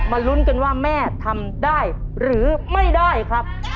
ลุ้นกันว่าแม่ทำได้หรือไม่ได้ครับ